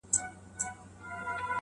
یو ډاکتر شهید کړ